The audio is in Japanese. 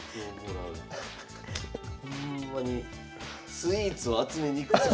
ほんまにスイーツを集めに。